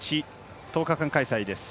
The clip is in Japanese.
１０日間開催です。